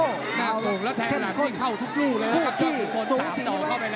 น่ากลงแล้วแข่งหลังนี่เข้าทุกลูกเลยนะครับ